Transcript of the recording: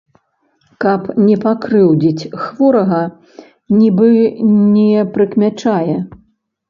Каб не пакрыўдзіць хворага, нібы не прыкмячае.